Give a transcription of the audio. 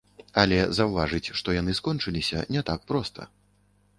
Але заўважыць, што яны скончыліся, не так проста.